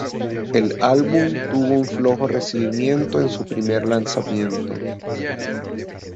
El álbum tuvo un flojo recibimiento en su primer lanzamiento.